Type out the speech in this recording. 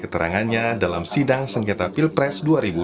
keterangannya dalam sidang sengketa pilpres dua ribu dua puluh empat